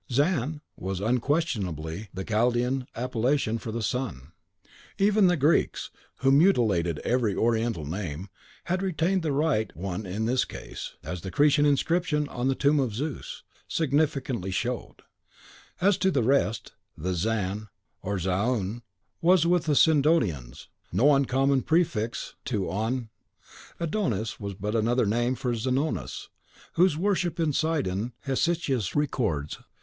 Zan was unquestionably the Chaldean appellation for the sun. Even the Greeks, who mutilated every Oriental name, had retained the right one in this case, as the Cretan inscription on the tomb of Zeus (Ode megas keitai Zan. "Cyril contra Julian." (Here lies great Jove.)) significantly showed. As to the rest, the Zan, or Zaun, was, with the Sidonians, no uncommon prefix to On. Adonis was but another name for Zanonas, whose worship in Sidon Hesychius records.